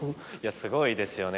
すごいですよね